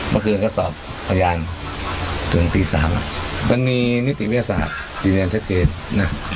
เมื่อคืนก็สอบอรรยานถึงปี๓อ่ะมันมีนิติวิทยาศาสตร์จริงแน่นแชทเกตนะ